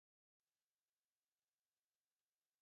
چینی سرمایہ کاروں کو اسٹیل ملز خریدنے کی پیشکش کا فیصلہ تبدیل